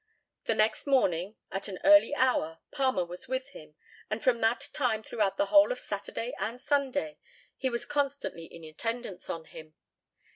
The next morning, at an early hour, Palmer was with him, and from that time throughout the whole of Saturday and Sunday he was constantly in attendance on him.